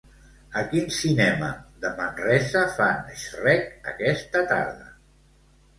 A quin cinema de Manresa fan "Shrek" aquesta tarda?